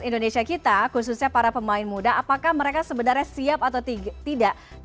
indonesia kita khususnya para pemain muda apakah mereka sebenarnya siap atau tidak tidak apakah mereka sebenarnya siap atau tidak